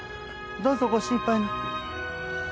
どうぞご心配なく。